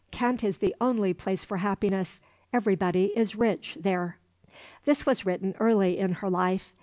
Kent is the only place for happiness; everybody is rich there." This was written early in her life.